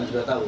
pak sudah tahu